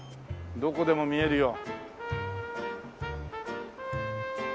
どこでも見えるよ。